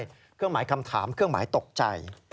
เครื่องหมายคำถามเครื่องหมายตกใจ